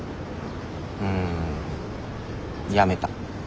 うんやめた。